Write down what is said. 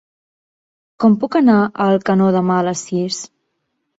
Com puc anar a Alcanó demà a les sis?